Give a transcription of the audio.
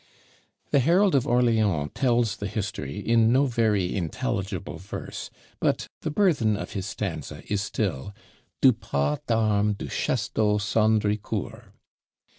The herald of Orleans tells the history in no very intelligible verse; but the burthen of his stanza is still _Du pas d'armes du chasteau Sandricourt.